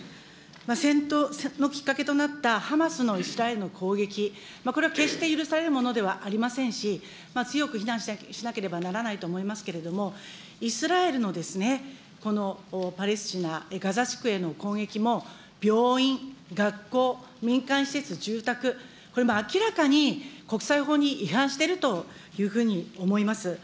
戦闘のきっかけとなったハマスのイスラエルの攻撃、これは決して許されるものではありませんし、強く非難しなければならないと思いますけれども、イスラエルのですね、このパレスチナ・ガザ地区への攻撃も、病院、学校、民間施設、住宅、これ、明らかに国際法に違反してるというふうに思います。